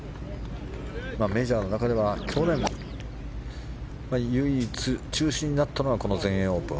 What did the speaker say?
メジャーの中では去年、唯一中止になったのはこの全英オープン。